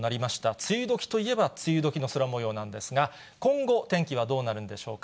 梅雨時といえば梅雨時の空もようなんですが、今後、天気はどうなるんでしょうか。